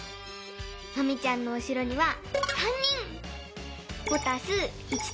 マミちゃんのうしろには３人。